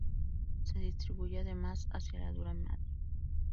Se distribuye además hacia la duramadre.